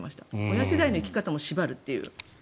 親世代の生き方も縛るという。